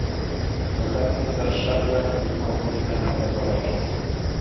"Następnie zeszedłem i powróciłem do dorożki."